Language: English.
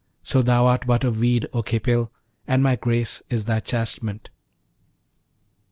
So art thou but a weed, O Khipil! and my grace is thy chastisement.'